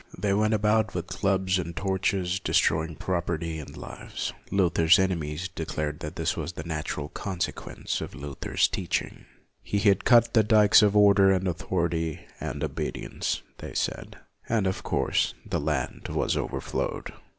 They went about with clubs and torches, destroying property and lives. Luther's enemies declared that this was the natural consequence of Luther's teaching. He had cut the dikes of order and authority and obedience, they said, and, of course, the land was overflowed.